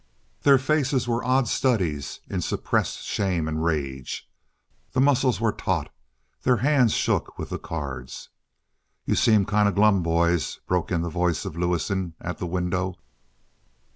Their faces were odd studies in suppressed shame and rage. The muscles were taut; their hands shook with the cards. "You seem kind of glum, boys!" broke in the voice of Lewison at the window.